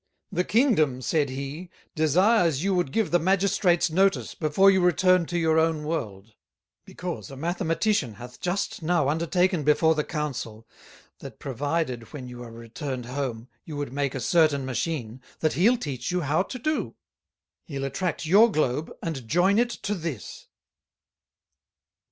"The Kingdom," said he, "desires you would give the Magistrates notice, before you return to your own World; because a Mathematician hath just now undertaken before the Council, that provided when you are returned home, you would make a certain Machine, that he'll teach you how to do; he'll attract your Globe, and joyn it to this."